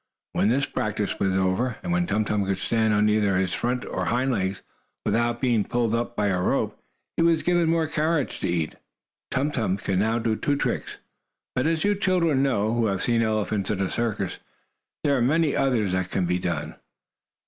When this practice was over, and when Tum Tum could stand on either his front or hind legs, without being pulled by a rope, he was given more carrots to eat. Tum Tum could now do two tricks, but, as you children know, who have seen elephants in a circus, there are many others that can be done.